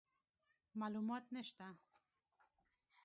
معلومات نشته،